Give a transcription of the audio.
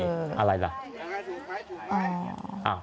ถูกปลายถูกปลาย